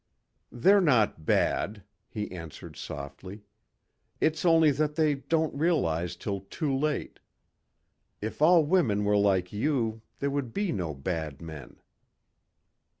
"They're not bad," he answered softly. "It's only that they don't realize till too late. If all women were like you, there would be no bad men."